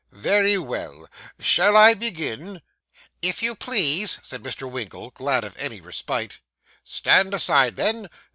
'Very well. Shall I begin?' 'If you please,' said Mr. Winkle, glad of any respite. 'Stand aside, then.